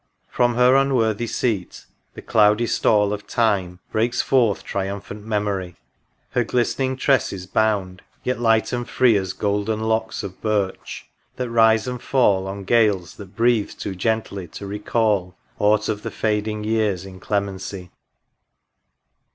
From her unworthy seat, the cloudy stall Of Time, breaks forth triumphant Memory ; Her glistening tresses bound, yet light and free As golden locks of birch, that rise and fall On gales that breathe too gently to recal Aught of the fading year's inclemency